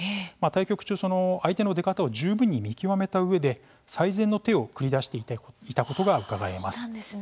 対局中、相手の出方を十分に見極めたうえで最善の手を繰り出していたことがうかがえます。